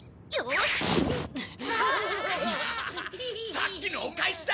さっきのお返しだ！